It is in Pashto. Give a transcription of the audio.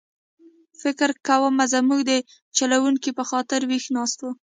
فکر کووم زموږ د چلوونکي په خاطر ویښ ناست و.